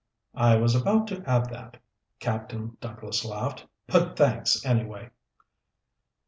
"I was about to add that." Captain Douglas laughed. "But thanks, anyway."